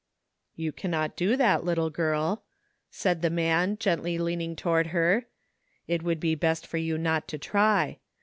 "You cannot do that, little girl," said the man, gently leaning toward her. " It would be best for you not to try.